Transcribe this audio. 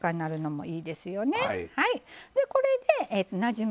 はい。